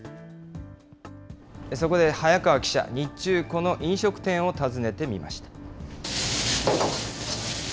そこで早川記者、日中、この飲食店を訪ねてみました。